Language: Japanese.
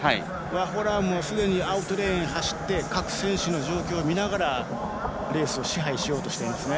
アウトレーンを走って各選手の状況を見ながらレースを支配しようとしていますね。